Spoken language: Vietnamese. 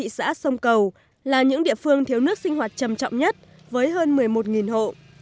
xã sông cầu là những địa phương thiếu nước sinh hoạt trầm trọng nhất với hơn một mươi một hộ